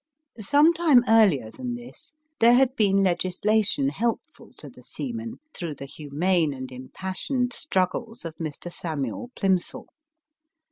Some time earlier than this there had been legislation helpful to the seaman through the humane and impassioned struggles^ of Mr. Samuel Plimsoll.